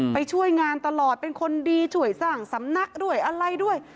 ช่วยงานตลอดเป็นคนดีช่วยสร้างสำนักด้วยอะไรด้วย